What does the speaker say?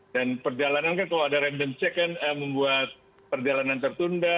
dan perjalanan kan kalau ada random check kan membuat perjalanan tertunda